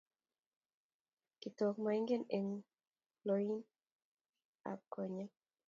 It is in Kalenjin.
Kitok moinget eng loin ab konyek